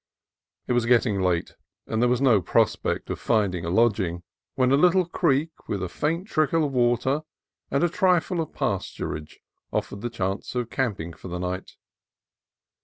It was getting late, and there was no prospect of rinding a lodging, when a little creek with a faint trickle of water and a trifle of pasturage offered the chance of camping for the night.